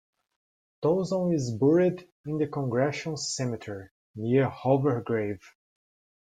Tolson is buried in the Congressional Cemetery, near Hoover's grave.